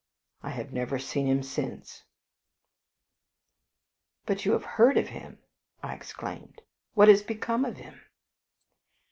I have never seen him since." "But you have heard of him!" I exclaimed; "what has become of him?"